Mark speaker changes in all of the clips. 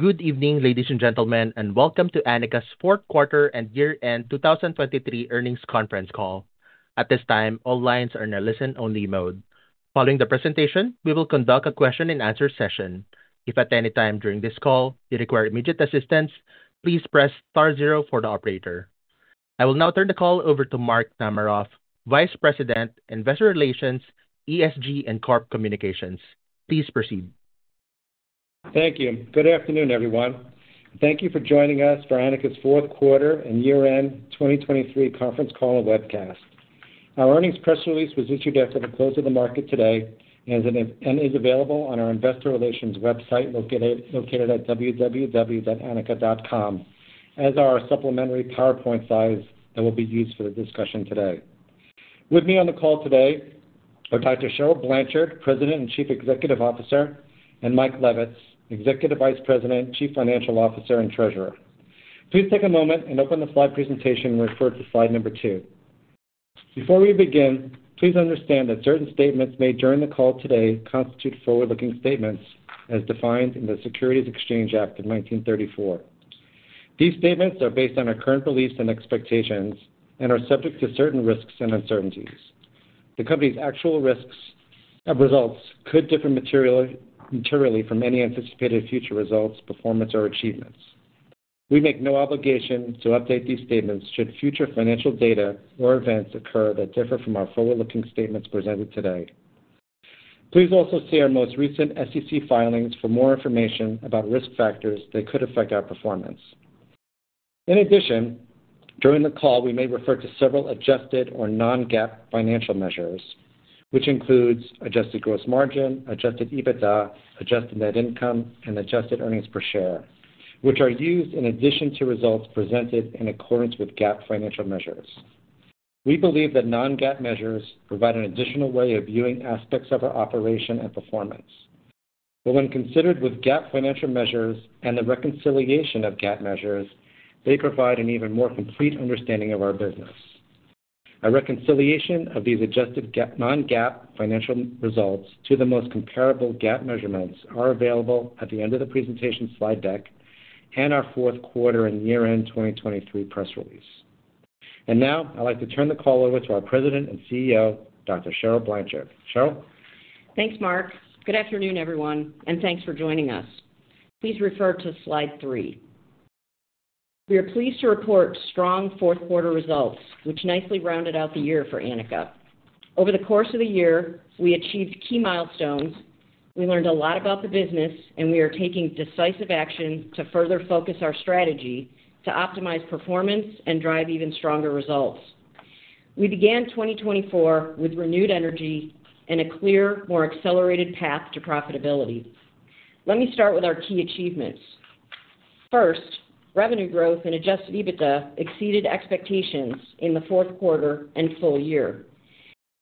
Speaker 1: Good evening, ladies and gentlemen, and welcome to Anika's Fourth Quarter and Year-End 2023 Earnings Conference Call. At this time, all lines are in a listen-only mode. Following the presentation, we will conduct a question-and-answer session. If at any time during this call you require immediate assistance, please press star 0 for the operator. I will now turn the call over to Mark Namaroff, Vice President, Investor Relations, ESG, and Corporate Communications. Please proceed.
Speaker 2: Thank you. Good afternoon, everyone. Thank you for joining us for Anika's Fourth Quarter and Year-End 2023 Conference Call and webcast. Our earnings press release was issued after the close of the market today and is available on our Investor Relations website located at www.anika.com as our supplementary PowerPoint slides that will be used for the discussion today. With me on the call today are Dr. Cheryl Blanchard, President and Chief Executive Officer, and Mike Levitz, Executive Vice President, Chief Financial Officer, and Treasurer. Please take a moment and open the slide presentation and refer to slide number two. Before we begin, please understand that certain statements made during the call today constitute forward-looking statements as defined in the Securities Exchange Act of 1934. These statements are based on our current beliefs and expectations and are subject to certain risks and uncertainties. The company's actual results could differ materially from any anticipated future results, performance, or achievements. We make no obligation to update these statements should future financial data or events occur that differ from our forward-looking statements presented today. Please also see our most recent SEC filings for more information about risk factors that could affect our performance. In addition, during the call, we may refer to several adjusted or non-GAAP financial measures, which includes adjusted gross margin, Adjusted EBITDA, adjusted net income, and adjusted earnings per share, which are used in addition to results presented in accordance with GAAP financial measures. We believe that non-GAAP measures provide an additional way of viewing aspects of our operation and performance. But when considered with GAAP financial measures and the reconciliation of GAAP measures, they provide an even more complete understanding of our business. A reconciliation of these adjusted non-GAAP financial results to the most comparable GAAP measurements is available at the end of the presentation slide deck and our Fourth Quarter and Year-End 2023 press release. Now I'd like to turn the call over to our President and CEO, Dr. Cheryl Blanchard. Cheryl?
Speaker 3: Thanks, Mark. Good afternoon, everyone, and thanks for joining us. Please refer to Slide three. We are pleased to report strong Fourth Quarter results, which nicely rounded out the year for Anika. Over the course of the year, we achieved key milestones, we learned a lot about the business, and we are taking decisive action to further focus our strategy to optimize performance and drive even stronger results. We began 2024 with renewed energy and a clear, more accelerated path to profitability. Let me start with our key achievements. First, revenue growth in Adjusted EBITDA exceeded expectations in the fourth quarter and full year.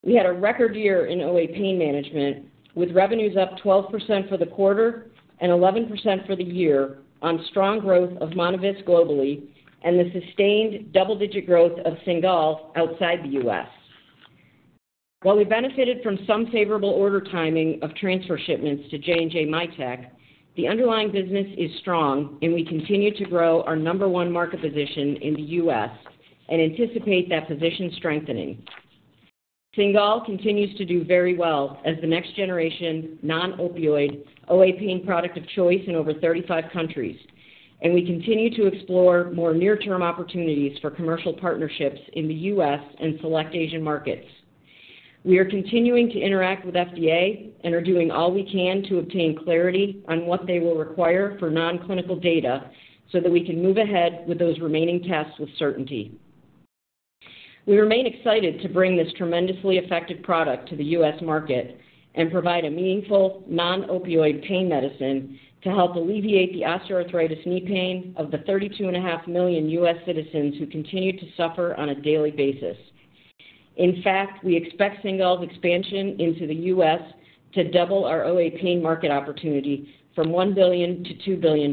Speaker 3: We had a record year in OA Pain Management with revenues up 12% for the quarter and 11% for the year on strong growth of Monovisc globally and the sustained double-digit growth of Cingal outside the U.S. While we benefited from some favorable order timing of transfer shipments J&J Mitek, the underlying business is strong, and we continue to grow our number one market position in the U.S. and anticipate that position strengthening. Cingal continues to do very well as the next generation non-opioid OA Pain product of choice in over 35 countries, and we continue to explore more near-term opportunities for commercial partnerships in the U.S. and select Asian markets. We are continuing to interact with FDA and are doing all we can to obtain clarity on what they will require for non-clinical data so that we can move ahead with those remaining tests with certainty. We remain excited to bring this tremendously effective product to the U.S. market and provide a meaningful non-opioid pain medicine to help alleviate the osteoarthritis knee pain of the 32.5 million U.S. citizens who continue to suffer on a daily basis. In fact, we expect Cingal's expansion into the U.S. to double our OA Pain market opportunity from $1 billion-$2 billion.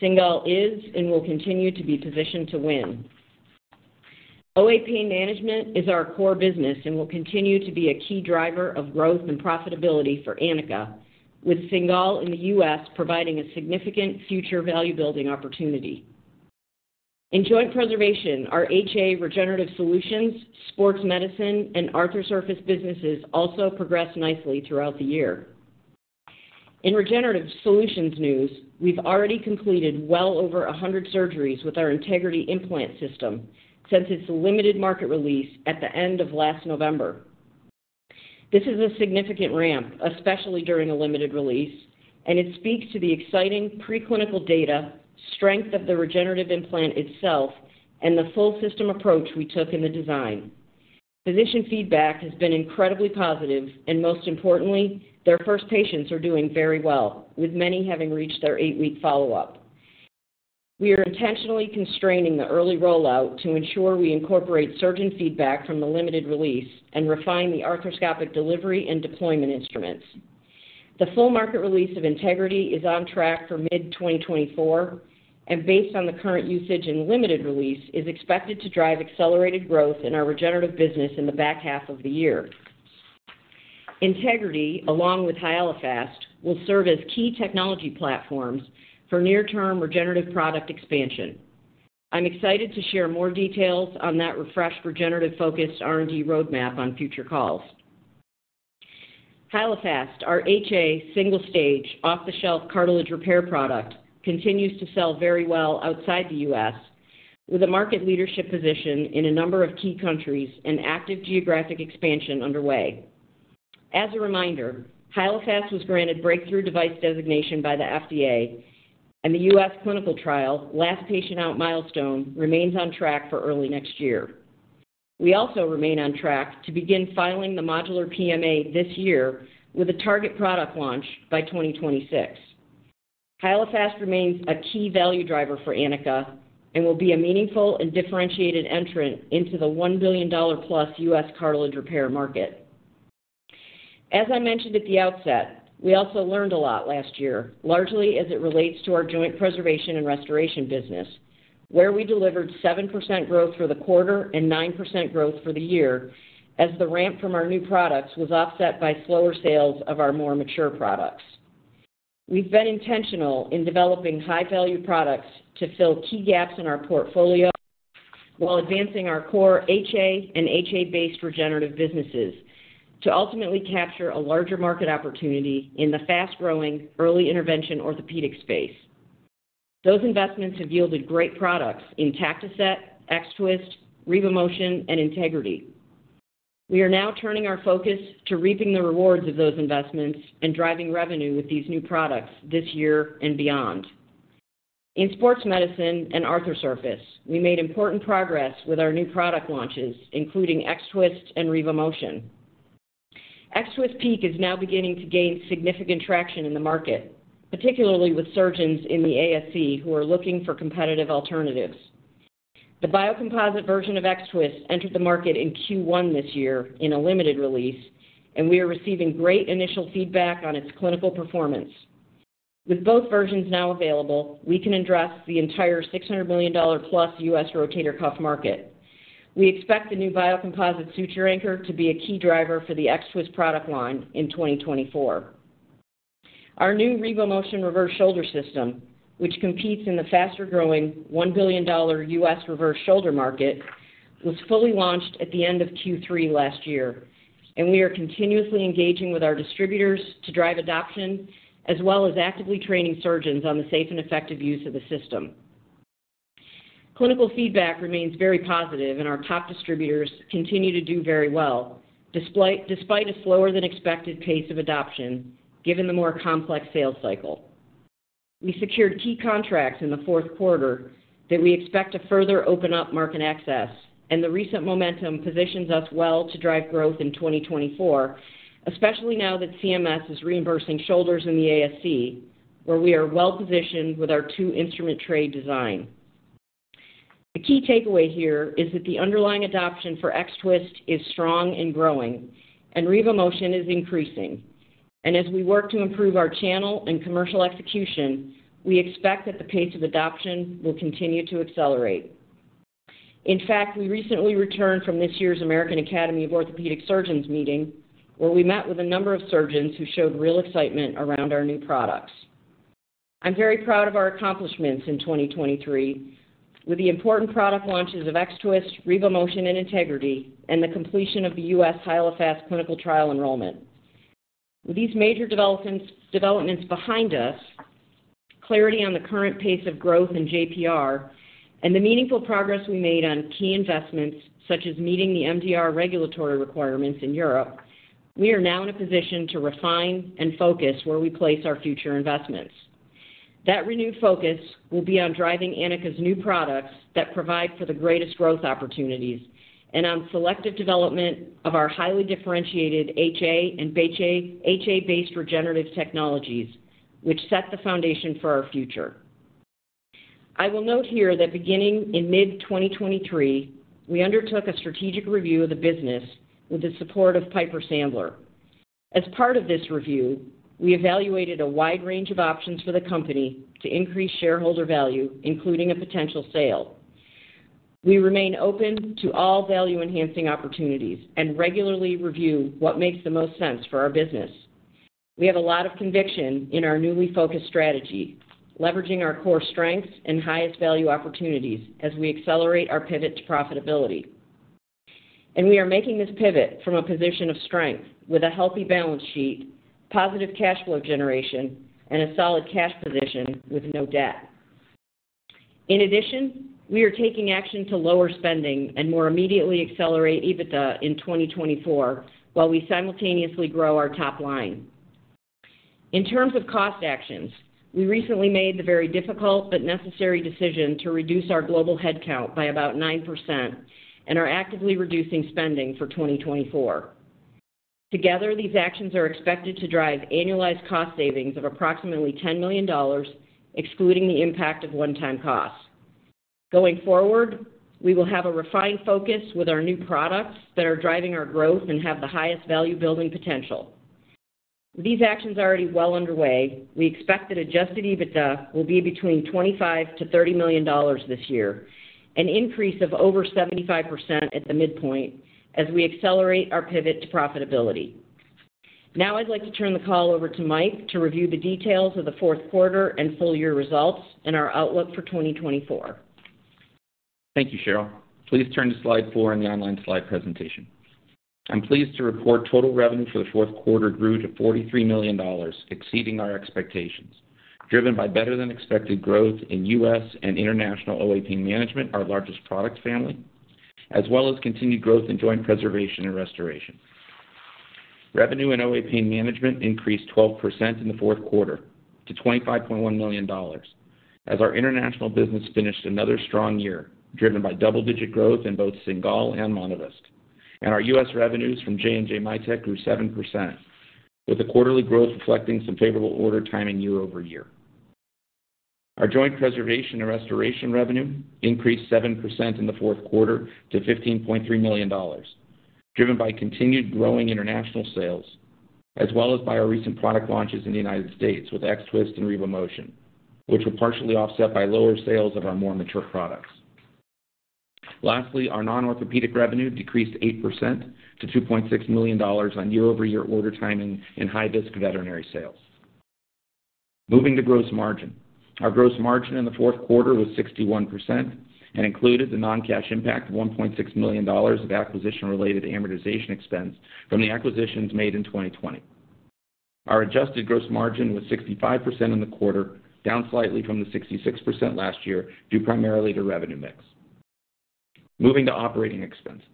Speaker 3: Cingal is and will continue to be positioned to win. OA Pain Management is our core business and will continue to be a key driver of growth and profitability for Anika, with Cingal in the U.S. providing a significant future value-building opportunity. In joint preservation, our HA Regenerative Solutions, sports medicine, and Arthrosurface businesses also progress nicely throughout the year. In regenerative solutions news, we've already completed well over 100 surgeries with our Integrity Implant System since its limited market release at the end of last November. This is a significant ramp, especially during a limited release, and it speaks to the exciting preclinical data, strength of the regenerative implant itself, and the full-system approach we took in the design. Physician feedback has been incredibly positive, and most importantly, their first patients are doing very well, with many having reached their eight-week follow-up. We are intentionally constraining the early rollout to ensure we incorporate surgeon feedback from the limited release and refine the arthroscopic delivery and deployment instruments. The full market release of Integrity is on track for mid-2024 and, based on the current usage in limited release, is expected to drive accelerated growth in our regenerative business in the back half of the year. Integrity, along with Hyalofast, will serve as key technology platforms for near-term regenerative product expansion. I'm excited to share more details on that refreshed regenerative-focused R&D roadmap on future calls. Hyalofast, our HA single-stage off-the-shelf cartilage repair product, continues to sell very well outside the U.S. with a market leadership position in a number of key countries and active geographic expansion underway. As a reminder, Hyalofast was granted breakthrough device designation by the FDA, and the U.S. clinical trial Last Patient Out milestone remains on track for early next year. We also remain on track to begin filing the modular PMA this year with a target product launch by 2026. Hyalofast remains a key value driver for Anika and will be a meaningful and differentiated entrant into the $1 billion-plus U.S. cartilage repair market. As I mentioned at the outset, we also learned a lot last year, largely as it relates to our joint preservation and restoration business, where we delivered 7% growth for the quarter and 9% growth for the year as the ramp from our new products was offset by slower sales of our more mature products. We've been intentional in developing high-value products to fill key gaps in our portfolio while advancing our core HA and HA-based regenerative businesses to ultimately capture a larger market opportunity in the fast-growing early intervention orthopedic space. Those investments have yielded great products in Tactoset, X-Twist, RevoMotion, and Integrity. We are now turning our focus to reaping the rewards of those investments and driving revenue with these new products this year and beyond. In sports medicine and Arthrosurface, we made important progress with our new product launches, including X-Twist and RevoMotion. X-Twist PEEK is now beginning to gain significant traction in the market, particularly with surgeons in the ASC who are looking for competitive alternatives. The biocomposite version of X-Twist entered the market in Q1 this year in a limited release, and we are receiving great initial feedback on its clinical performance. With both versions now available, we can address the entire $600 million-plus U.S. rotator cuff market. We expect the new biocomposite suture anchor to be a key driver for the X-Twist product line in 2024. Our new RevoMotion reverse shoulder system, which competes in the faster-growing $1 billion U.S. reverse shoulder market, was fully launched at the end of Q3 last year, and we are continuously engaging with our distributors to drive adoption as well as actively training surgeons on the safe and effective use of the system. Clinical feedback remains very positive, and our top distributors continue to do very well despite a slower-than-expected pace of adoption given the more complex sales cycle. We secured key contracts in the fourth quarter that we expect to further open up market access, and the recent momentum positions us well to drive growth in 2024, especially now that CMS is reimbursing shoulders in the ASC where we are well-positioned with our two-instrument trade design. The key takeaway here is that the underlying adoption for X-Twist is strong and growing, and RevoMotion is increasing. As we work to improve our channel and commercial execution, we expect that the pace of adoption will continue to accelerate. In fact, we recently returned from this year's American Academy of Orthopaedic Surgeons meeting, where we met with a number of surgeons who showed real excitement around our new products. I'm very proud of our accomplishments in 2023 with the important product launches of X-Twist, RevoMotion, and Integrity, and the completion of the U.S. Hyalofast clinical trial enrollment. With these major developments behind us, clarity on the current pace of growth in JPR, and the meaningful progress we made on key investments such as meeting the MDR regulatory requirements in Europe, we are now in a position to refine and focus where we place our future investments. That renewed focus will be on driving Anika's new products that provide for the greatest growth opportunities and on selective development of our highly differentiated HA and HA-based regenerative technologies, which set the foundation for our future. I will note here that beginning in mid-2023, we undertook a strategic review of the business with the support of Piper Sandler. As part of this review, we evaluated a wide range of options for the company to increase shareholder value, including a potential sale. We remain open to all value-enhancing opportunities and regularly review what makes the most sense for our business. We have a lot of conviction in our newly focused strategy, leveraging our core strengths and highest value opportunities as we accelerate our pivot to profitability. We are making this pivot from a position of strength with a healthy balance sheet, positive cash flow generation, and a solid cash position with no debt. In addition, we are taking action to lower spending and more immediately accelerate EBITDA in 2024 while we simultaneously grow our top line. In terms of cost actions, we recently made the very difficult but necessary decision to reduce our global headcount by about 9% and are actively reducing spending for 2024. Together, these actions are expected to drive annualized cost savings of approximately $10 million, excluding the impact of one-time costs. Going forward, we will have a refined focus with our new products that are driving our growth and have the highest value-building potential. With these actions already well underway, we expect that Adjusted EBITDA will be between $25 million-$30 million this year, an increase of over 75% at the midpoint as we accelerate our pivot to profitability. Now I'd like to turn the call over to Mike to review the details of the fourth quarter and full-year results and our outlook for 2024.
Speaker 4: Thank you, Cheryl. Please turn to Slide four in the online slide presentation. I'm pleased to report total revenue for the fourth quarter grew to $43 million, exceeding our expectations, driven by better-than-expected growth in U.S. and international OA Pain Management, our largest product family, as well as continued growth in joint preservation and restoration. Revenue in OA Pain Management increased 12% in the fourth quarter to $25.1 million as our international business finished another strong year driven by double-digit growth in both Cingal and Monovisc, and our U.S. revenues J&J Mitek grew 7%, with the quarterly growth reflecting some favorable order timing year-over-year. Our joint preservation and restoration revenue increased 7% in the fourth quarter to $15.3 million, driven by continued growing international sales as well as by our recent product launches in the United States with X-Twist and RevoMotion, which were partially offset by lower sales of our more mature products. Lastly, our non-orthopedic revenue decreased 8% to $2.6 million on year-over-year order timing in high-risk veterinary sales. Moving to gross margin, our gross margin in the fourth quarter was 61% and included the non-cash impact of $1.6 million of acquisition-related amortization expense from the acquisitions made in 2020. Our adjusted gross margin was 65% in the quarter, down slightly from the 66% last year due primarily to revenue mix. Moving to operating expenses.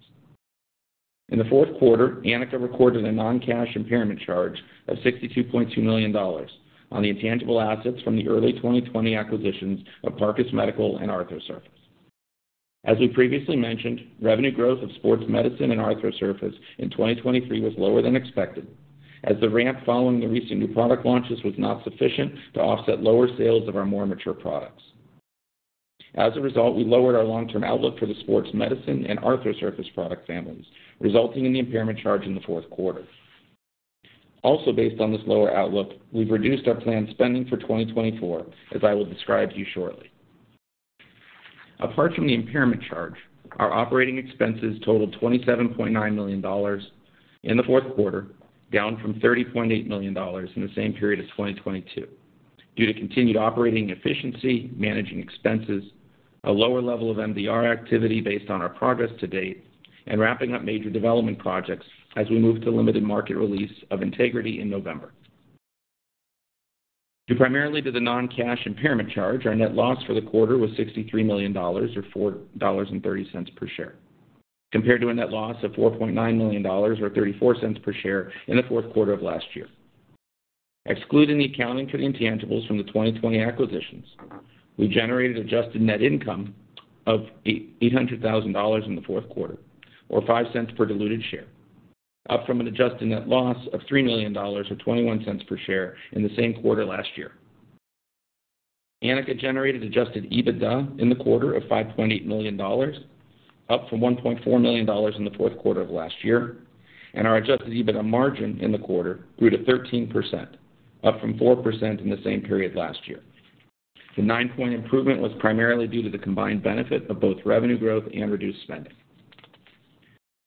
Speaker 4: In the fourth quarter, Anika recorded a non-cash impairment charge of $62.2 million on the intangible assets from the early 2020 acquisitions of Parcus Medical and Arthrosurface. As we previously mentioned, revenue growth of sports medicine and Arthrosurface in 2023 was lower than expected as the ramp following the recent new product launches was not sufficient to offset lower sales of our more mature products. As a result, we lowered our long-term outlook for the sports medicine and Arthrosurface product families, resulting in the impairment charge in the fourth quarter. Also, based on this lower outlook, we've reduced our planned spending for 2024, as I will describe to you shortly. Apart from the impairment charge, our operating expenses totaled $27.9 million in the fourth quarter, down from $30.8 million in the same period as 2022 due to continued operating efficiency, managing expenses, a lower level of MDR activity based on our progress to date, and wrapping up major development projects as we move to limited market release of Integrity in November. Due primarily to the non-cash impairment charge, our net loss for the quarter was $63 million or $4.30 per share compared to a net loss of $4.9 million or $0.34 per share in the fourth quarter of last year. Excluding the accounting for the intangibles from the 2020 acquisitions, we generated adjusted net income of $800,000 in the fourth quarter or $0.05 per diluted share, up from an adjusted net loss of $3 million or $0.21 per share in the same quarter last year. Anika generated Adjusted EBITDA in the quarter of $5.8 million, up from $1.4 million in the fourth quarter of last year, and our Adjusted EBITDA margin in the quarter grew to 13%, up from 4% in the same period last year. The nine-point improvement was primarily due to the combined benefit of both revenue growth and reduced spending.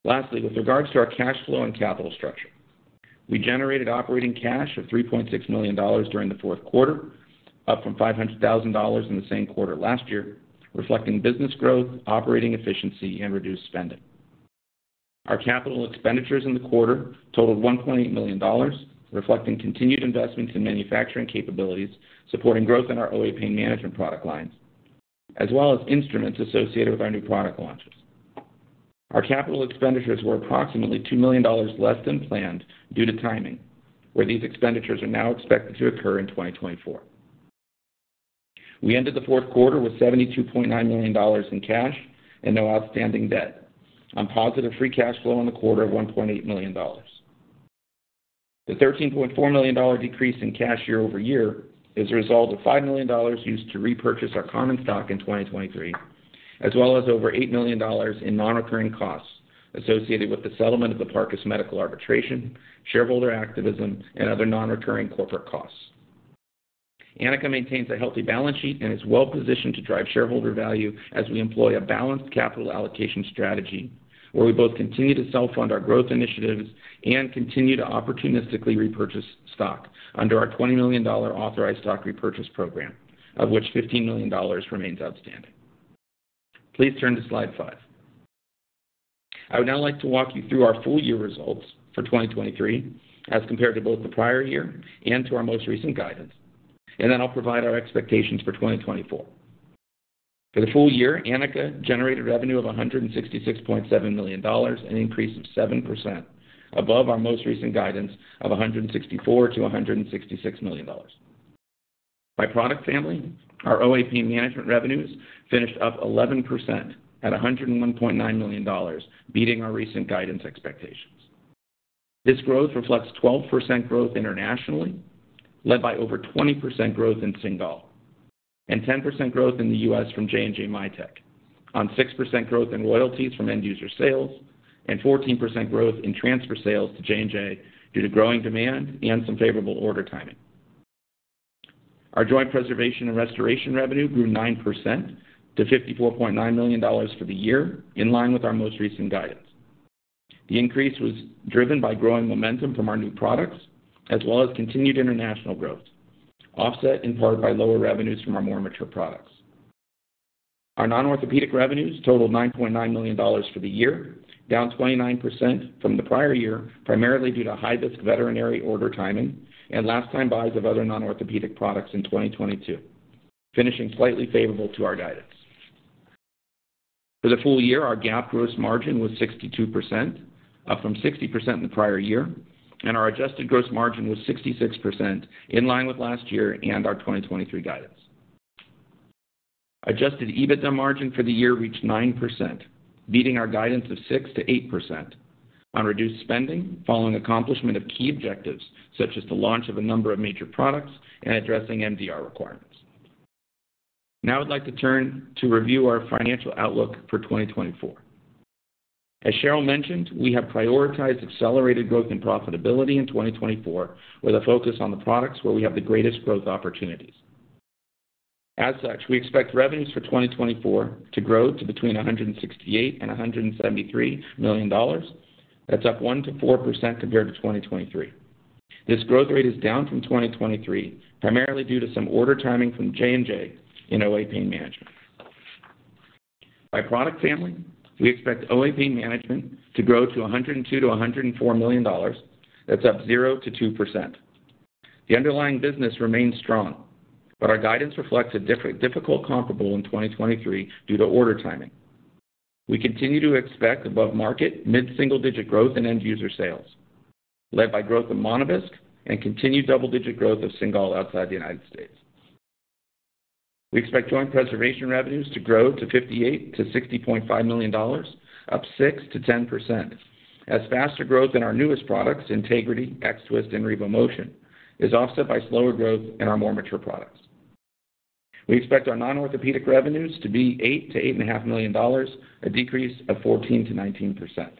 Speaker 4: Lastly, with regards to our cash flow and capital structure, we generated operating cash of $3.6 million during the fourth quarter, up from $500,000 in the same quarter last year, reflecting business growth, operating efficiency, and reduced spending. Our capital expenditures in the quarter totaled $1.8 million, reflecting continued investments in manufacturing capabilities supporting growth in our OA Pain Management product lines as well as instruments associated with our new product launches. Our capital expenditures were approximately $2 million less than planned due to timing, where these expenditures are now expected to occur in 2024. We ended the fourth quarter with $72.9 million in cash and no outstanding debt on positive free cash flow in the quarter of $1.8 million. The $13.4 million decrease in cash year-over-year is a result of $5 million used to repurchase our common stock in 2023 as well as over $8 million in non-recurring costs associated with the settlement of the Parcus Medical arbitration, shareholder activism, and other non-recurring corporate costs. Anika maintains a healthy balance sheet and is well-positioned to drive shareholder value as we employ a balanced capital allocation strategy where we both continue to self-fund our growth initiatives and continue to opportunistically repurchase stock under our $20 million authorized stock repurchase program, of which $15 million remains outstanding. Please turn to Slide five. I would now like to walk you through our full-year results for 2023 as compared to both the prior year and to our most recent guidance, and then I'll provide our expectations for 2024. For the full year, Anika generated revenue of $166.7 million, an increase of 7% above our most recent guidance of $164-$166 million. By product family, our OA Pain Management revenues finished up 11% at $101.9 million, beating our recent guidance expectations. This growth reflects 12% growth internationally led by over 20% growth in Cingal and 10% growth in the U.S. from J&J Mitek on 6% growth in royalties from end-user sales and 14% growth in transfer sales to J&J due to growing demand and some favorable order timing. Our joint preservation and restoration revenue grew 9% to $54.9 million for the year, in line with our most recent guidance. The increase was driven by growing momentum from our new products as well as continued international growth, offset in part by lower revenues from our more mature products. Our non-orthopedic revenues totaled $9.9 million for the year, down 29% from the prior year primarily due to high-risk veterinary order timing and last-time buys of other non-orthopedic products in 2022, finishing slightly favorable to our guidance. For the full year, our GAAP gross margin was 62%, up from 60% in the prior year, and our adjusted gross margin was 66%, in line with last year and our 2023 guidance. Adjusted EBITDA margin for the year reached 9%, beating our guidance of 6%-8% on reduced spending following accomplishment of key objectives such as the launch of a number of major products and addressing MDR requirements. Now I'd like to turn to review our financial outlook for 2024. As Cheryl mentioned, we have prioritized accelerated growth and profitability in 2024 with a focus on the products where we have the greatest growth opportunities. As such, we expect revenues for 2024 to grow to between $168 million-$173 million. That's up 1%-4% compared to 2023. This growth rate is down from 2023 primarily due to some order timing from J&J in OA Pain Management. By product family, we expect OA Pain Management to grow to $102 million-$104 million. That's up 0%-2%. The underlying business remains strong, but our guidance reflects a difficult comparable in 2023 due to order timing. We continue to expect above-market mid-single-digit growth in end-user sales led by growth in Monovisc and continued double-digit growth of Cingal outside the United States. We expect joint preservation revenues to grow to $58 million-$60.5 million, up 6%-10%, as faster growth in our newest products, Integrity, X-Twist, and RevoMotion, is offset by slower growth in our more mature products. We expect our non-orthopedic revenues to be $8 million-$8.5 million, a decrease of 14%-19%.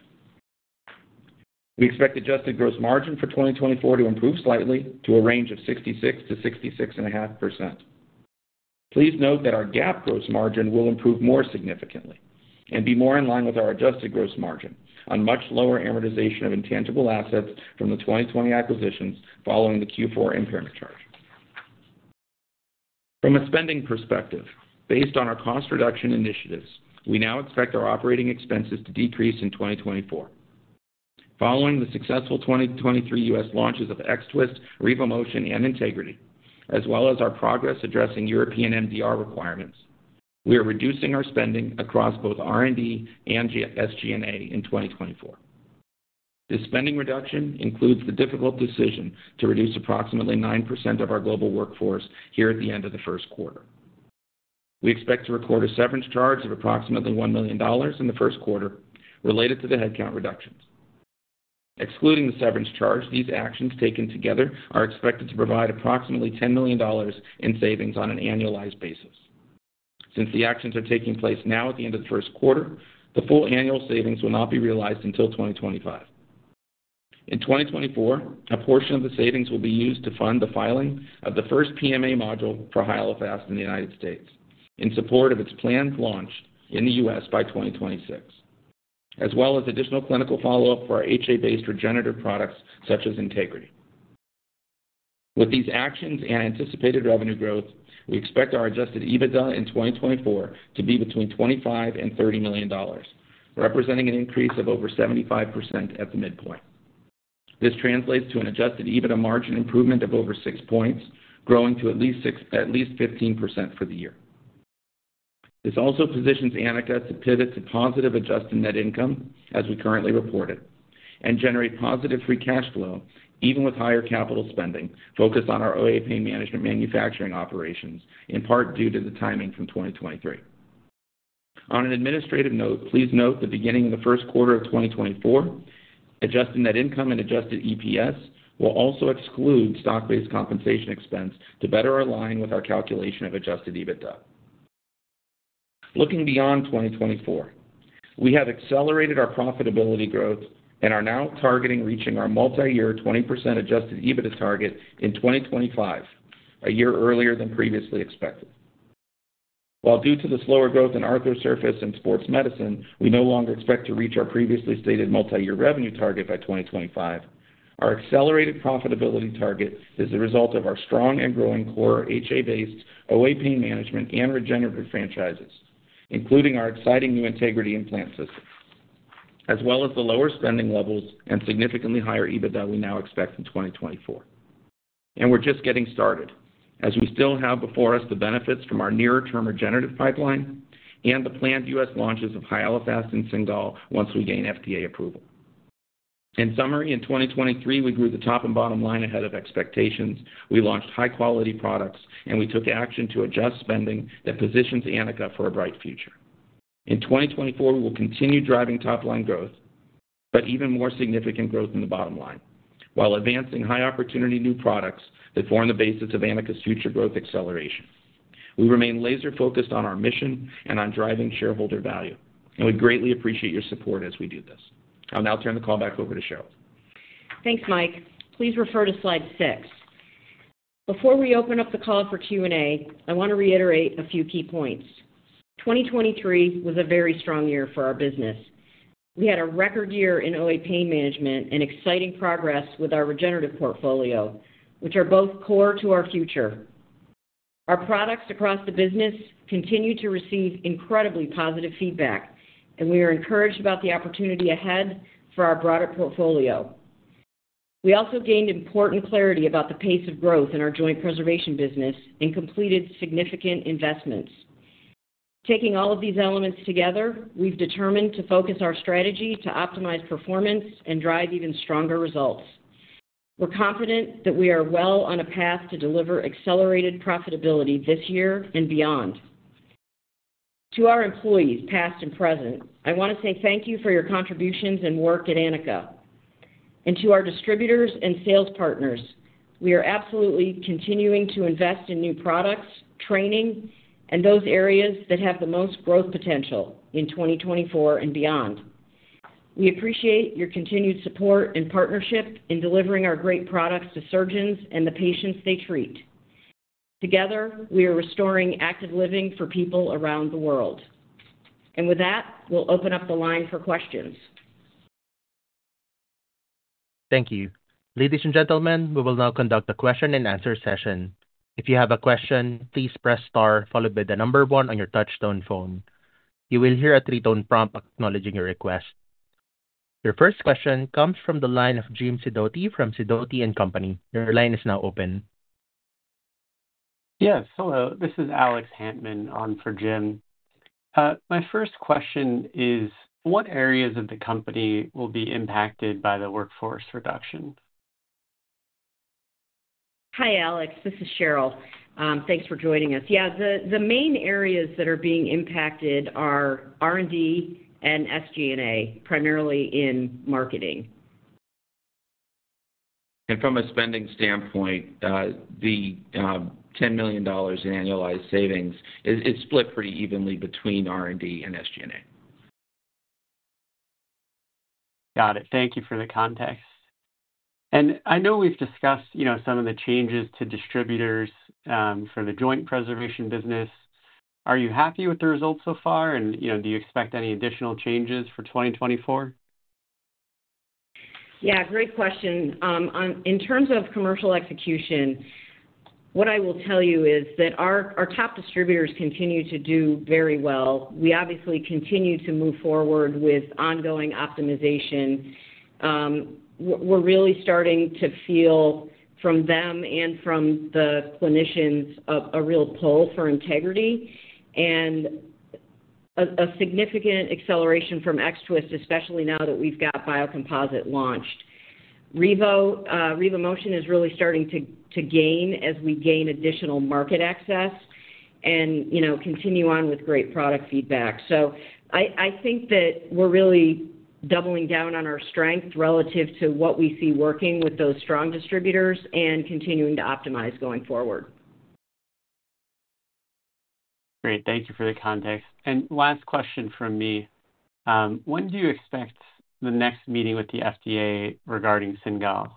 Speaker 4: We expect adjusted gross margin for 2024 to improve slightly to a range of 66%-66.5%. Please note that our GAAP gross margin will improve more significantly and be more in line with our adjusted gross margin on much lower amortization of intangible assets from the 2020 acquisitions following the Q4 impairment charge. From a spending perspective, based on our cost reduction initiatives, we now expect our operating expenses to decrease in 2024. Following the successful 2023 U.S. launches of X-Twist, RevoMotion, and Integrity, as well as our progress addressing European MDR requirements, we are reducing our spending across both R&D and SG&A in 2024. This spending reduction includes the difficult decision to reduce approximately 9% of our global workforce here at the end of the first quarter. We expect to record a severance charge of approximately $1 million in the first quarter related to the headcount reductions. Excluding the severance charge, these actions taken together are expected to provide approximately $10 million in savings on an annualized basis. Since the actions are taking place now at the end of the first quarter, the full annual savings will not be realized until 2025. In 2024, a portion of the savings will be used to fund the filing of the first PMA module for Hyalofast in the United States in support of its planned launch in the U.S. by 2026, as well as additional clinical follow-up for our HA-based regenerative products such as Integrity. With these actions and anticipated revenue growth, we expect our Adjusted EBITDA in 2024 to be between $25 million and $30 million, representing an increase of over 75% at the midpoint. This translates to an Adjusted EBITDA margin improvement of over 6 points, growing to at least 15% for the year. This also positions Anika to pivot to positive adjusted net income, as we currently report it, and generate positive free cash flow even with higher capital spending focused on our OA Pain Management manufacturing operations, in part due to the timing from 2023. On an administrative note, please note the beginning of the first quarter of 2024, adjusted net income and adjusted EPS will also exclude stock-based compensation expense to better align with our calculation of Adjusted EBITDA. Looking beyond 2024, we have accelerated our profitability growth and are now targeting reaching our multi-year 20% Adjusted EBITDA target in 2025, a year earlier than previously expected. While due to the slower growth in Arthrosurface and sports medicine, we no longer expect to reach our previously stated multi-year revenue target by 2025, our accelerated profitability target is the result of our strong and growing core HA-based OA Pain Management and regenerative franchises, including our exciting new Integrity Implant System, as well as the lower spending levels and significantly higher EBITDA we now expect in 2024. And we're just getting started, as we still have before us the benefits from our nearer-term regenerative pipeline and the planned U.S. launches of Hyalofast and Cingal once we gain FDA approval. In summary, in 2023, we grew the top and bottom line ahead of expectations. We launched high-quality products, and we took action to adjust spending that positions Anika for a bright future. In 2024, we will continue driving top-line growth but even more significant growth in the bottom line while advancing high-opportunity new products that form the basis of Anika's future growth acceleration. We remain laser-focused on our mission and on driving shareholder value, and we greatly appreciate your support as we do this. I'll now turn the call back over to Cheryl.
Speaker 3: Thanks, Mike. Please refer to Slide six. Before we open up the call for Q&A, I want to reiterate a few key points. 2023 was a very strong year for our business. We had a record year in OA Pain Management and exciting progress with our regenerative portfolio, which are both core to our future. Our products across the business continue to receive incredibly positive feedback, and we are encouraged about the opportunity ahead for our broader portfolio. We also gained important clarity about the pace of growth in our joint preservation business and completed significant investments. Taking all of these elements together, we've determined to focus our strategy to optimize performance and drive even stronger results. We're confident that we are well on a path to deliver accelerated profitability this year and beyond. To our employees past and present, I want to say thank you for your contributions and work at Anika. To our distributors and sales partners, we are absolutely continuing to invest in new products, training, and those areas that have the most growth potential in 2024 and beyond. We appreciate your continued support and partnership in delivering our great products to surgeons and the patients they treat. Together, we are restoring active living for people around the world. With that, we'll open up the line for questions.
Speaker 1: Thank you. Ladies and gentlemen, we will now conduct a question-and-answer session. If you have a question, please press star followed by the number one on your touch-tone phone. You will hear a three-tone prompt acknowledging your request. Your first question comes from the line of Jim Sidoti from Sidoti & Company. Your line is now open.
Speaker 5: Yes, hello. This is Alex Hantman on for Jim. My first question is, what areas of the company will be impacted by the workforce reduction?
Speaker 3: Hi, Alex. This is Cheryl. Thanks for joining us. Yeah, the main areas that are being impacted are R&D and SG&A, primarily in marketing.
Speaker 4: From a spending standpoint, the $10 million in annualized savings is split pretty evenly between R&D and SG&A.
Speaker 5: Got it. Thank you for the context. I know we've discussed some of the changes to distributors for the joint preservation business. Are you happy with the results so far, and do you expect any additional changes for 2024?
Speaker 3: Yeah, great question. In terms of commercial execution, what I will tell you is that our top distributors continue to do very well. We obviously continue to move forward with ongoing optimization. We're really starting to feel from them and from the clinicians a real pull for Integrity and a significant acceleration from X-Twist, especially now that we've got biocomposite launched. RevoMotion is really starting to gain as we gain additional market access and continue on with great product feedback. So I think that we're really doubling down on our strength relative to what we see working with those strong distributors and continuing to optimize going forward.
Speaker 5: Great. Thank you for the context. Last question from me. When do you expect the next meeting with the FDA regarding Cingal?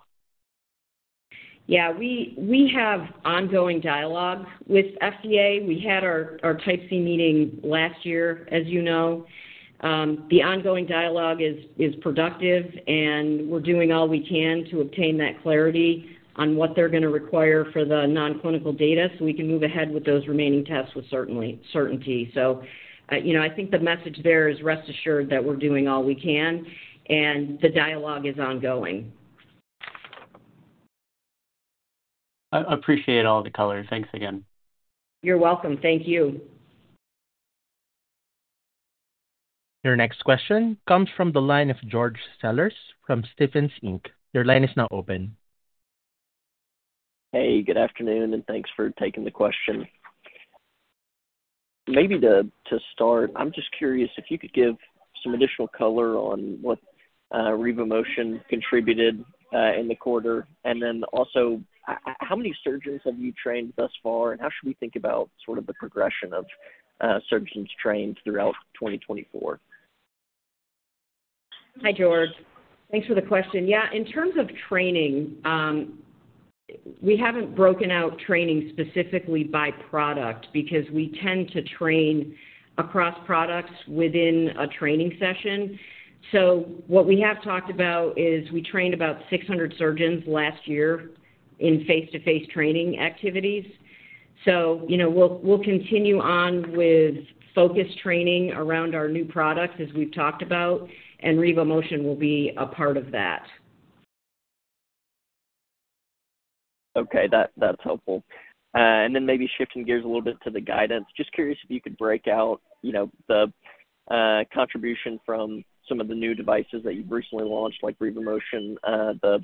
Speaker 3: Yeah, we have ongoing dialogue with FDA. We had our Type C meeting last year, as you know. The ongoing dialogue is productive, and we're doing all we can to obtain that clarity on what they're going to require for the non-clinical data so we can move ahead with those remaining tests with certainty. I think the message there is rest assured that we're doing all we can, and the dialogue is ongoing.
Speaker 5: I appreciate all the color. Thanks again.
Speaker 3: You're welcome. Thank you.
Speaker 1: Your next question comes from the line of George Sellers from Stephens Inc. Your line is now open.
Speaker 6: Hey, good afternoon, and thanks for taking the question. Maybe to start, I'm just curious if you could give some additional color on what RevoMotion contributed in the quarter. And then also, how many surgeons have you trained thus far, and how should we think about sort of the progression of surgeons trained throughout 2024?
Speaker 3: Hi, George. Thanks for the question. Yeah, in terms of training, we haven't broken out training specifically by product because we tend to train across products within a training session. So what we have talked about is we trained about 600 surgeons last year in face-to-face training activities. So we'll continue on with focused training around our new products as we've talked about, and RevoMotion will be a part of that.
Speaker 6: Okay, that's helpful. And then maybe shifting gears a little bit to the guidance, just curious if you could break out the contribution from some of the new devices that you've recently launched, like RevoMotion, the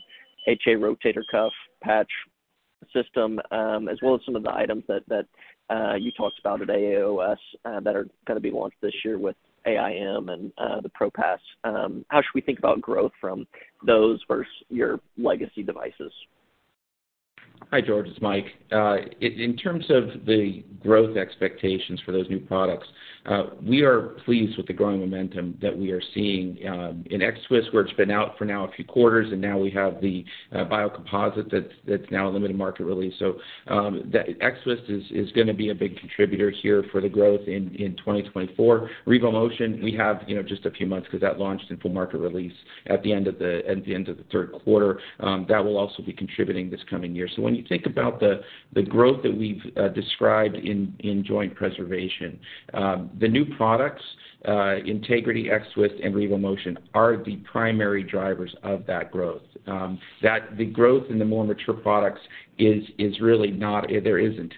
Speaker 6: HA rotator cuff patch system, as well as some of the items that you talked about at AAOS that are going to be launched this year with AIM and the ProPass. How should we think about growth from those versus your legacy devices?
Speaker 4: Hi, George. It's Mike. In terms of the growth expectations for those new products, we are pleased with the growing momentum that we are seeing in X-Twist, where it's been out for now a few quarters, and now we have the biocomposite that's now a limited market release. So X-Twist is going to be a big contributor here for the growth in 2024. RevoMotion, we have just a few months because that launched in full market release at the end of the third quarter. That will also be contributing this coming year. So when you think about the growth that we've described in joint preservation, the new products, Integrity, X-Twist, and RevoMotion, are the primary drivers of that growth. The growth in the more mature products is really not. There isn't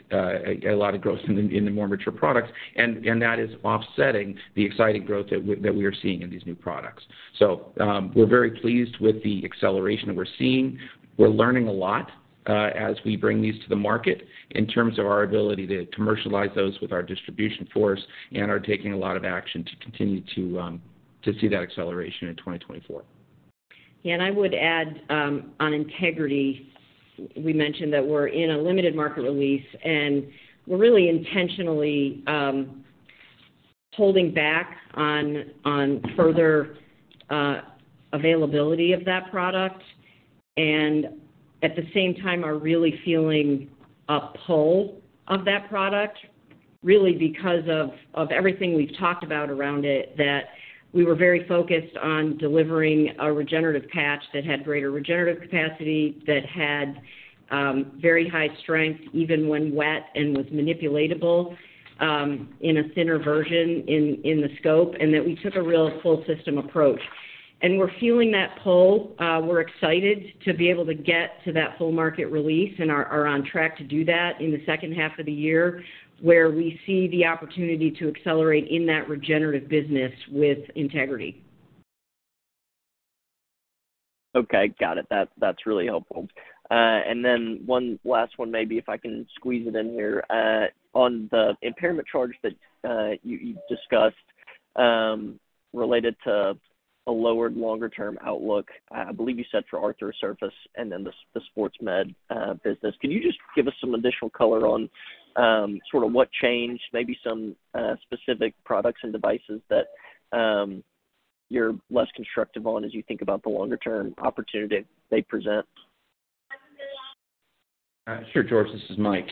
Speaker 4: a lot of growth in the more mature products, and that is offsetting the exciting growth that we are seeing in these new products. We're very pleased with the acceleration we're seeing. We're learning a lot as we bring these to the market in terms of our ability to commercialize those with our distribution force and are taking a lot of action to continue to see that acceleration in 2024.
Speaker 3: Yeah, and I would add on Integrity, we mentioned that we're in a limited market release, and we're really intentionally holding back on further availability of that product. And at the same time, are really feeling a pull of that product really because of everything we've talked about around it, that we were very focused on delivering a regenerative patch that had greater regenerative capacity, that had very high strength even when wet and was manipulatable in a thinner version in the scope, and that we took a real full-system approach. And we're feeling that pull. We're excited to be able to get to that full market release and are on track to do that in the second half of the year where we see the opportunity to accelerate in that regenerative business with Integrity.
Speaker 6: Okay, got it. That's really helpful. And then one last one, maybe if I can squeeze it in here. On the impairment charge that you discussed related to a lowered, longer-term outlook, I believe you said for Arthrosurface and then the sports med business, can you just give us some additional color on sort of what changed, maybe some specific products and devices that you're less constructive on as you think about the longer-term opportunity they present?
Speaker 4: Sure, George. This is Mike.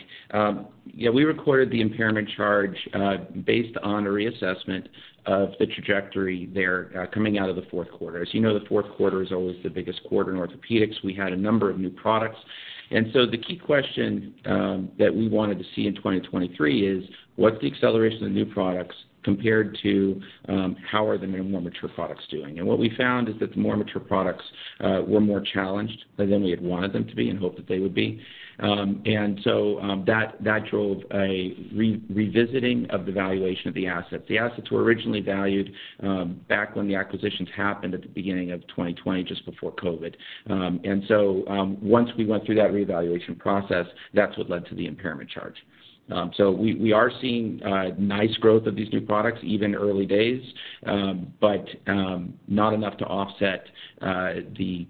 Speaker 4: Yeah, we recorded the impairment charge based on a reassessment of the trajectory there coming out of the fourth quarter. As you know, the fourth quarter is always the biggest quarter in orthopedics. We had a number of new products. And so the key question that we wanted to see in 2023 is, what's the acceleration of the new products compared to how are the more mature products doing? And what we found is that the more mature products were more challenged than we had wanted them to be and hoped that they would be. And so that drove a revisiting of the valuation of the assets. The assets were originally valued back when the acquisitions happened at the beginning of 2020, just before COVID. And so once we went through that reevaluation process, that's what led to the impairment charge. We are seeing nice growth of these new products, even early days, but not enough to offset the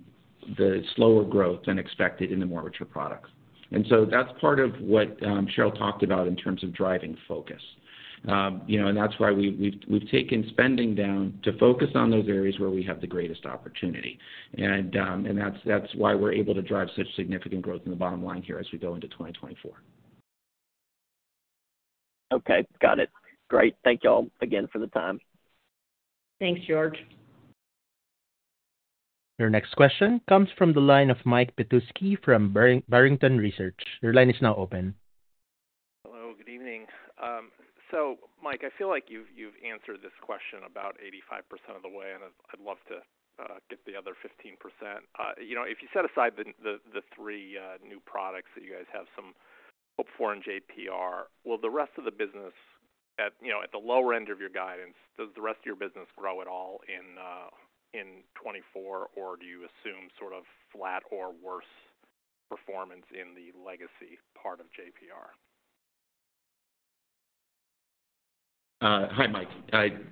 Speaker 4: slower growth than expected in the more mature products. And so that's part of what Cheryl talked about in terms of driving focus. And that's why we've taken spending down to focus on those areas where we have the greatest opportunity. And that's why we're able to drive such significant growth in the bottom line here as we go into 2024.
Speaker 6: Okay, got it. Great. Thank you all again for the time.
Speaker 3: Thanks, George.
Speaker 1: Your next question comes from the line of Mike Petusky from Barrington Research. Your line is now open.
Speaker 7: Hello, good evening. So Mike, I feel like you've answered this question about 85% of the way, and I'd love to get the other 15%. If you set aside the three new products that you guys have some hope for in JPR, will the rest of the business at the lower end of your guidance, does the rest of your business grow at all in 2024, or do you assume sort of flat or worse performance in the legacy part of JPR?
Speaker 4: Hi, Mike.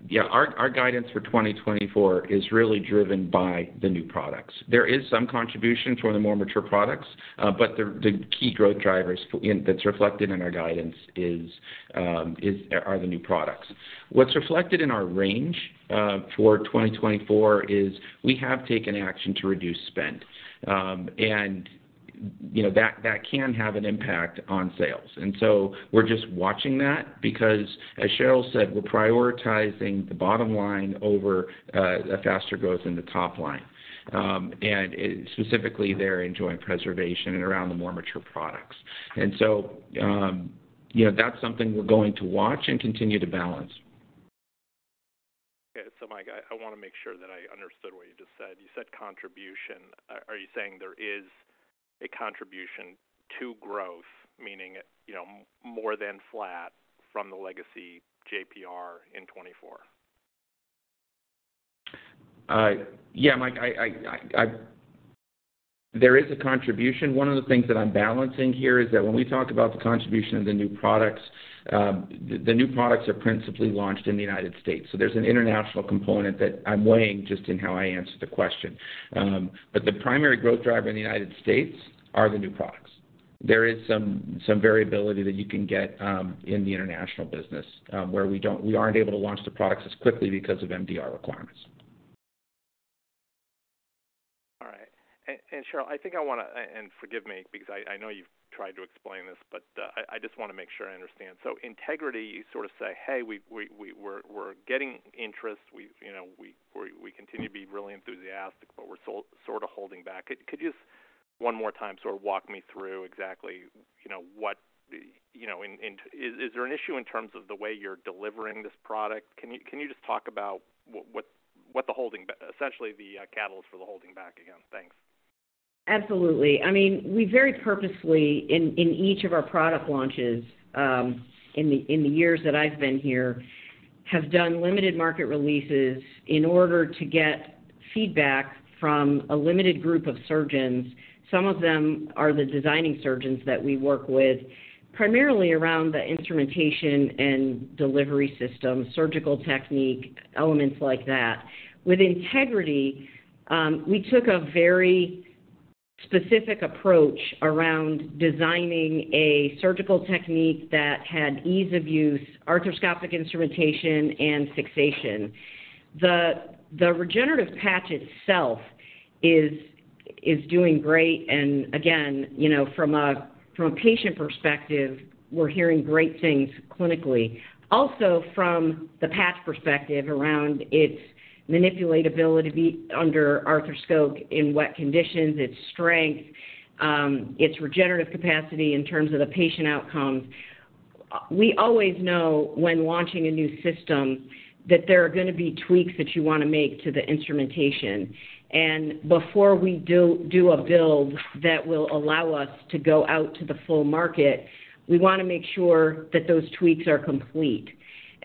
Speaker 4: Yeah, our guidance for 2024 is really driven by the new products. There is some contribution from the more mature products, but the key growth drivers that's reflected in our guidance are the new products. What's reflected in our range for 2024 is we have taken action to reduce spend, and that can have an impact on sales. And so we're just watching that because, as Cheryl said, we're prioritizing the bottom line over faster growth in the top line, and specifically there in joint preservation and around the more mature products. And so that's something we're going to watch and continue to balance.
Speaker 7: Okay, so Mike, I want to make sure that I understood what you just said. You said contribution. Are you saying there is a contribution to growth, meaning more than flat from the legacy JPR in 2024?
Speaker 4: Yeah, Mike, there is a contribution. One of the things that I'm balancing here is that when we talk about the contribution of the new products, the new products are principally launched in the United States. So there's an international component that I'm weighing just in how I answer the question. But the primary growth driver in the United States are the new products. There is some variability that you can get in the international business where we aren't able to launch the products as quickly because of MDR requirements.
Speaker 7: All right. And Cheryl, I think I want to and forgive me because I know you've tried to explain this, but I just want to make sure I understand. So Integrity, you sort of say, "Hey, we're getting interest. We continue to be really enthusiastic, but we're sort of holding back." Could you, one more time, sort of walk me through exactly what is there an issue in terms of the way you're delivering this product? Can you just talk about what the holding essentially, the catalyst for the holding back again? Thanks.
Speaker 3: Absolutely. I mean, we very purposely, in each of our product launches in the years that I've been here, have done limited market releases in order to get feedback from a limited group of surgeons. Some of them are the designing surgeons that we work with, primarily around the instrumentation and delivery system, surgical technique, elements like that. With Integrity, we took a very specific approach around designing a surgical technique that had ease of use, arthroscopic instrumentation, and fixation. The regenerative patch itself is doing great. And again, from a patient perspective, we're hearing great things clinically. Also, from the patch perspective around its manipulatability under arthroscope in wet conditions, its strength, its regenerative capacity in terms of the patient outcomes, we always know when launching a new system that there are going to be tweaks that you want to make to the instrumentation. Before we do a build that will allow us to go out to the full market, we want to make sure that those tweaks are complete.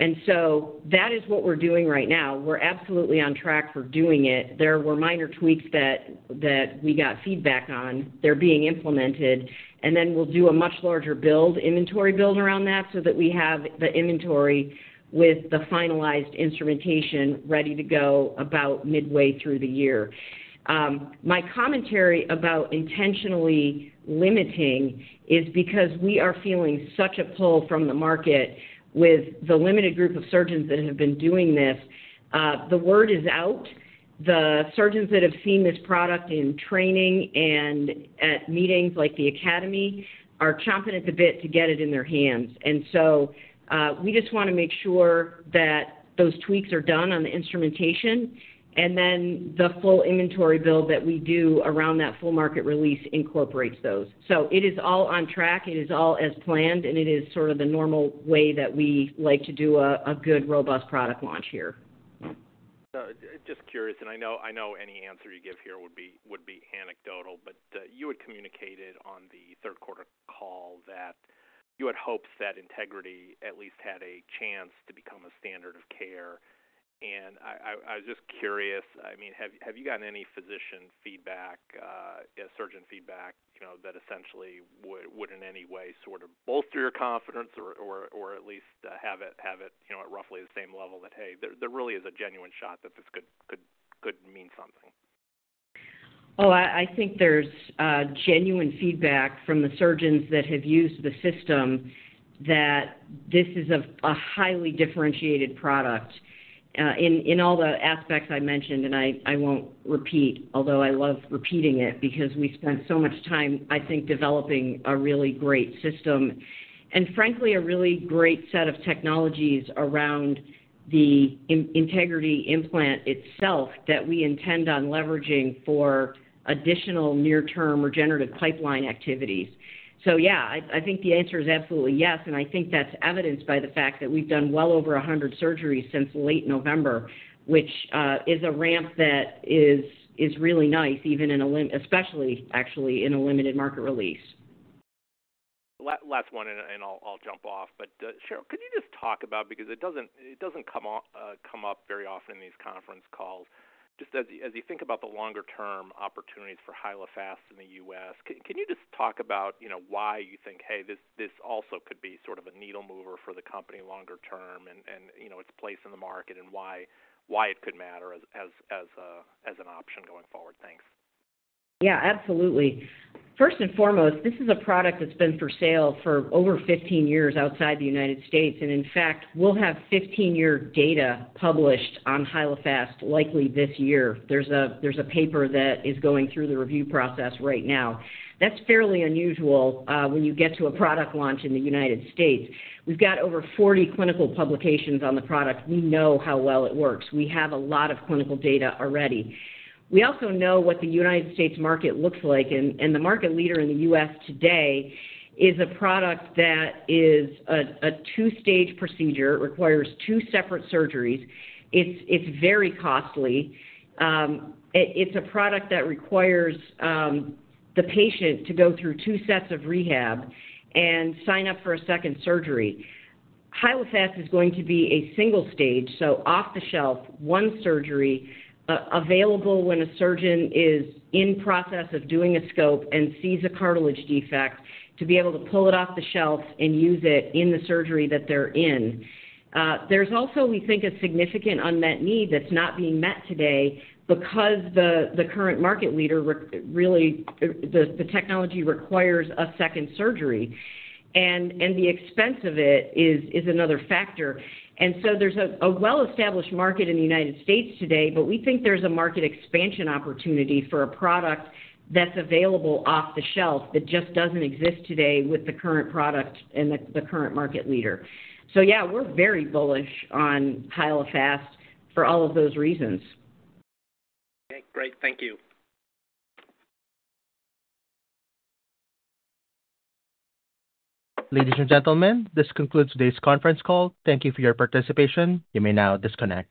Speaker 3: And so that is what we're doing right now. We're absolutely on track for doing it. There were minor tweaks that we got feedback on. They're being implemented. And then we'll do a much larger build, inventory build around that so that we have the inventory with the finalized instrumentation ready to go about midway through the year. My commentary about intentionally limiting is because we are feeling such a pull from the market with the limited group of surgeons that have been doing this. The word is out. The surgeons that have seen this product in training and at meetings like the Academy are chomping at the bit to get it in their hands. And so we just want to make sure that those tweaks are done on the instrumentation, and then the full inventory build that we do around that full market release incorporates those. So it is all on track. It is all as planned, and it is sort of the normal way that we like to do a good, robust product launch here.
Speaker 7: Just curious, and I know any answer you give here would be anecdotal, but you had communicated on the third-quarter call that you had hopes that Integrity at least had a chance to become a standard of care. And I was just curious. I mean, have you gotten any physician feedback, surgeon feedback, that essentially would in any way sort of bolster your confidence or at least have it at roughly the same level that, "Hey, there really is a genuine shot that this could mean something"?
Speaker 3: Oh, I think there's genuine feedback from the surgeons that have used the system that this is a highly differentiated product in all the aspects I mentioned. And I won't repeat, although I love repeating it because we spent so much time, I think, developing a really great system and, frankly, a really great set of technologies around the Integrity Implant itself that we intend on leveraging for additional near-term regenerative pipeline activities. So yeah, I think the answer is absolutely yes. And I think that's evidenced by the fact that we've done well over 100 surgeries since late November, which is a ramp that is really nice, especially actually in a limited market release.
Speaker 7: Last one, and I'll jump off. But Cheryl, could you just talk about because it doesn't come up very often in these conference calls, just as you think about the longer-term opportunities for Hyalofast in the U.S., can you just talk about why you think, "Hey, this also could be sort of a needle mover for the company longer term and its place in the market," and why it could matter as an option going forward? Thanks.
Speaker 3: Yeah, absolutely. First and foremost, this is a product that's been for sale for over 15 years outside the United States. And in fact, we'll have 15-year data published on Hyalofast likely this year. There's a paper that is going through the review process right now. That's fairly unusual when you get to a product launch in the United States. We've got over 40 clinical publications on the product. We know how well it works. We have a lot of clinical data already. We also know what the United States market looks like. And the market leader in the U.S. today is a product that is a two-stage procedure. It requires two separate surgeries. It's very costly. It's a product that requires the patient to go through two sets of rehab and sign up for a second surgery. Hyalofast is going to be a single-stage, so off-the-shelf, one surgery available when a surgeon is in process of doing a scope and sees a cartilage defect to be able to pull it off the shelf and use it in the surgery that they're in. There's also, we think, a significant unmet need that's not being met today because the current market leader, really, the technology requires a second surgery. And the expense of it is another factor. And so there's a well-established market in the United States today, but we think there's a market expansion opportunity for a product that's available off-the-shelf that just doesn't exist today with the current product and the current market leader. So yeah, we're very bullish on Hyalofast for all of those reasons.
Speaker 7: Okay, great. Thank you.
Speaker 1: Ladies and gentlemen, this concludes today's conference call. Thank you for your participation. You may now disconnect.